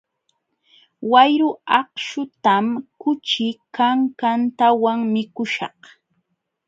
Wayru akśhutam kuchi kankantawan mikuśhaq.